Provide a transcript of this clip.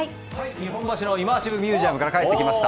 日本橋のミュージアムから帰ってきました。